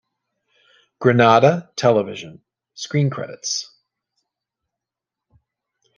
Granada Television: screen credits.